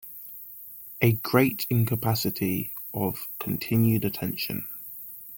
A great incapacity of continued attention.